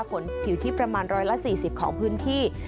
ฝนถิวที่ประมาณร้อยละ๔๐ของพื้นที่